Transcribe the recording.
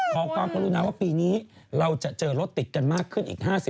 ขอความกรุณาว่าปีนี้เราจะเจอรถติดกันมากขึ้นอีก๕๐